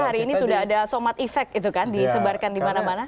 hari ini sudah ada somad effect itu kan disebarkan di mana mana